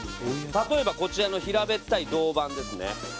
例えばこちらの平べったい銅板ですね。